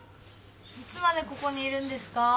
いつまでここにいるんですか？